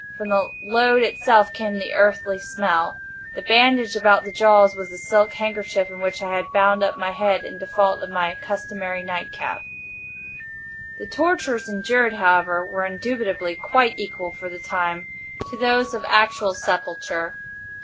From the load itself came the earthly smell. The bandage about the jaws was a silk handkerchief in which I had bound up my head, in default of my customary nightcap. The tortures endured, however, were indubitably quite equal for the time, to those of actual sepulture.